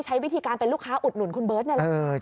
ใช้วิธีการเป็นลูกค้าอุดหนุนคุณเบิร์ตนี่แหละ